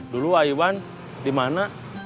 dulu ai wan di mana